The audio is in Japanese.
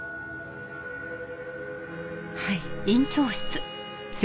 はい。